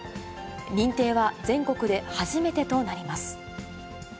認定は全国で初めてとなります。